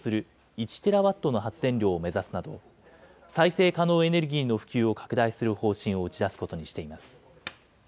１テラワットの発電量を目指すなど、再生可能エネルギーの普及を拡大する方針を打ち出すことにしています。